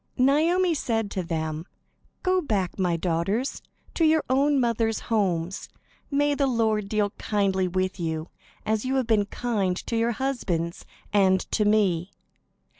Naomi said to them: "Go back, my daughters, to your own mothers' homes. May the Lord deal kindly with you, as you have been kind to your husbands and to me.